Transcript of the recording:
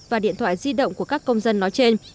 và điện thoại di động của các công dân nói trên